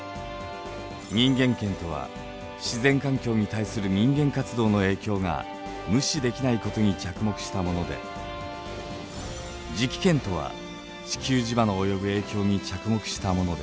人間圏とは自然環境に対する人間活動の影響が無視できないことに着目したもので磁気圏とは地球磁場の及ぶ影響に着目したものです。